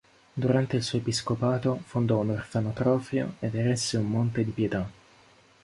Durante il suo episcopato fondò un orfanotrofio ed eresse un Monte di Pietà.